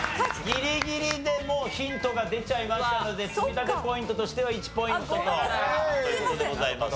ギリギリでもうヒントが出ちゃいましたので積み立てポイントとしては１ポイントという事でございます。